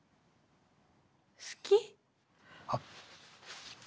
好き？あっ。